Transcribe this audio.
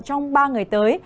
trong ba ngày tới